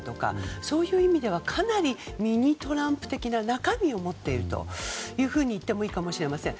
そういう意味ではかなりミニトランプ的な中身を持っていると言ってもいいかもしれません。